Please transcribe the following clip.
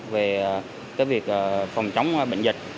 về cái việc phòng chống bệnh dịch